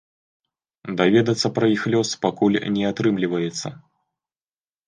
Даведацца пра іх лёс пакуль не атрымліваецца.